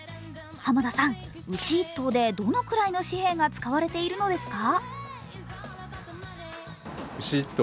浜田さん、牛１頭で、どのくらいの紙幣が使われているのですか？